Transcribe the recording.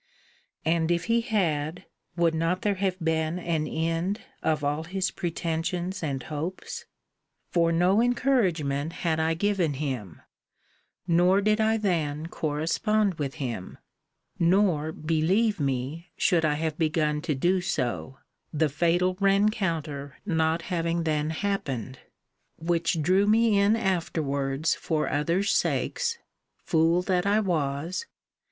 And if he had, would not there have been an end of all his pretensions and hopes? For no encouragement had I given him; nor did I then correspond with him. Nor, believe me, should I have begun to do so the fatal rencounter not having then happened; which drew me in afterwards for others' sakes (fool that I was!)